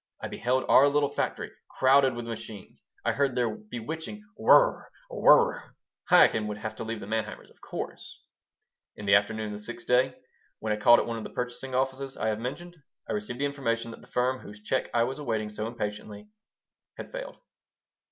I beheld our little factory crowded with machines, I heard their bewitching whir r, whir r. Chaikin would have to leave the Manheimers, of course In the afternoon of the sixth day, when I called at one of the purchasing offices I have mentioned, I received the information that the firm whose check I was awaiting so impatiently had failed!